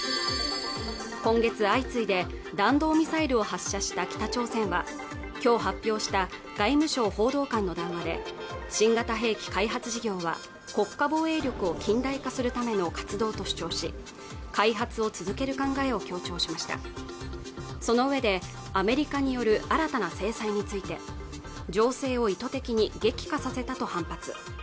今月相次いで弾道ミサイルを発射した北朝鮮はきょう発表した外務省報道官の談話で新型兵器開発事業は国家防衛力を近代化するための活動と主張し開発を続ける考えを強調しましたそのうえでアメリカによる新たな制裁について情勢を意図的に激化させたと反発